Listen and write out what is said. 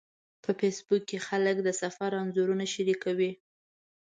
په فېسبوک کې خلک د سفر انځورونه شریکوي